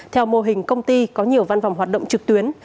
theo mô hình công ty có nhiều văn phòng hoạt động trực tuyến